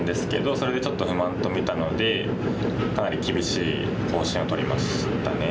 それでちょっと不満と見たのでかなり厳しい方針をとりましたね。